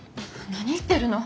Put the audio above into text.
何言ってるの。